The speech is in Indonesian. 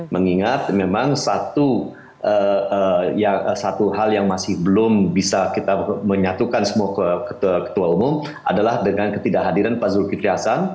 mengingat memang satu hal yang masih belum bisa kita menyatukan semua ke ketua umum adalah dengan ketidakhadiran pak zulkifli hasan